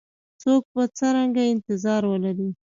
څوک به څرنګه انتظار ولري؟